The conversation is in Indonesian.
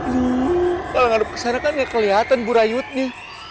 kalau ngadep kesana kan gak kelihatan burayotnya